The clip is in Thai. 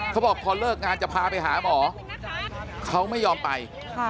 เขาบอกพอเลิกงานจะพาไปหาหมอเขาไม่ยอมไป